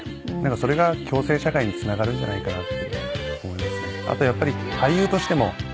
それが共生社会につながるんじゃないかなって。